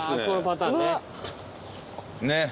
このパターンね。